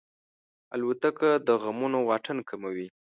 الوتکه د غمونو واټن کموي.